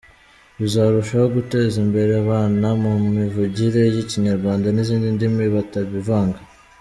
Bizarushaho guteza imbere abana mu mivugire y’Ikinyarwanda n’izindi ndimi batabivanga.